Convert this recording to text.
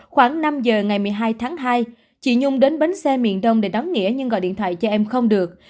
khoảng năm giờ ngày một mươi hai tháng hai chị nhung đến bến xe miền đông để đón nghĩa nhưng gọi điện thoại cho em không được